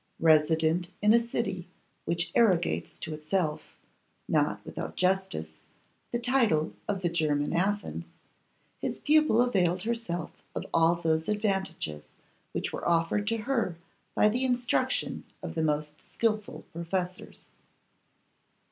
Resident in a city which arrogates to itself, not without justice, the title of the German Athens, his pupil availed herself of all those advantages which were offered to her by the instruction of the most skilful professors.